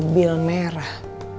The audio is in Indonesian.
saya mau ke rumah